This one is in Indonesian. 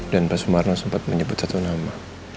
dan pak sumarna sempet menyebut satu nama